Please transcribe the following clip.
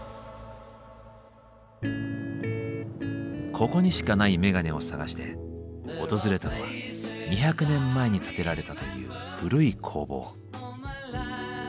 ここにしかないメガネを探して訪れたのは２００年前に建てられたという古い工房。